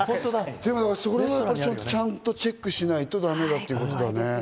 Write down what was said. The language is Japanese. ちゃんとチェックしないとだめだってことだね。